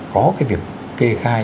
có cái việc kê khai